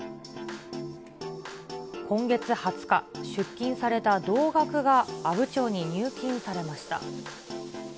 今月２０日、出金された同額が、阿武町に入金されました。